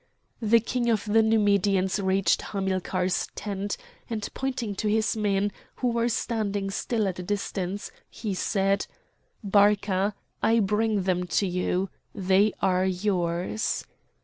The king of the Numidians reached Hamilcar's tent, and pointing to his men, who were standing still at a distance, he said: "Barca! I bring them to you. They are yours."